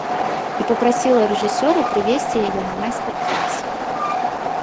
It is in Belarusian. І папрасіла рэжысёра прывесці яе на майстар-клас.